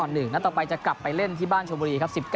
นัดต่อไปจะกลับไปเล่นที่บ้านชมบุรีครับ